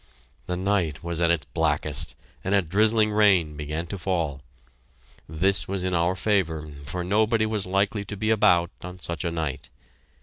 The night was at its blackest, and a drizzling rain began to fall. This was in our favor, for nobody was likely to be about on such a night.